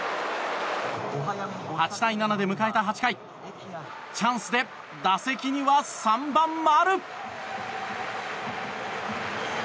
８対７で迎えた８回チャンスで打席には３番、丸。